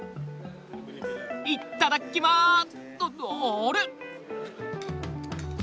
いっただきまあっあれ！？